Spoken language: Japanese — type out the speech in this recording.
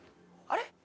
あれ？